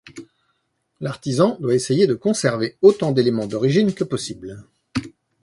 L'artisan doit essayer de conserver autant d’éléments d’origine que possible.